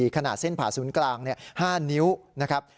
ขนาดเส้นผ่าศูนย์กลาง๕นิ้วนะครับ